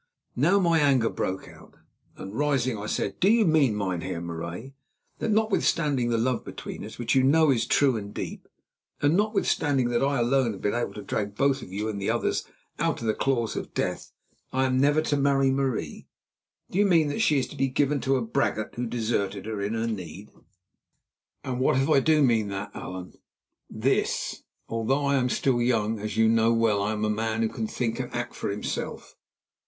Now my anger broke out, and, rising, I said: "Do you mean, Mynheer Marais, that notwithstanding the love between us, which you know is true and deep, and notwithstanding that I alone have been able to drag both of you and the others out of the claws of death, I am never to marry Marie? Do you mean that she is to be given to a braggart who deserted her in her need?" "And what if I do mean that, Allan?" "This: although I am still young, as you know well I am a man who can think and act for himself.